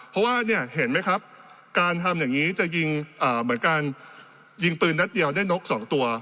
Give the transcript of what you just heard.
เพราะว่าเนี่ยเห็นไหมครับการทำอย่างนี้จะยิงเหมือนการยิงปืนนัดเดียวได้นก๒ตัว